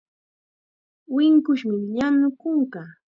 Winchusmi llanu kunka.